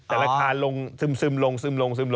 แต่ราคาลงซึมลง